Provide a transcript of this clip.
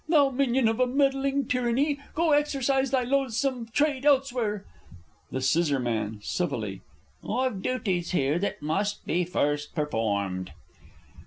Thou minion of a meddling tyranny, Go exercise thy loathsome trade elsewhere! The S. (civilly). I've duties here that must be first performed.